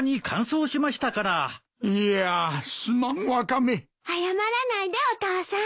謝らないでお父さん。